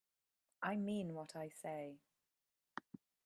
I mean what I say.